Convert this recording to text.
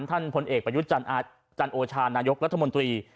พลเอกประยุทธ์จันโอชานายกรัฐมนตรี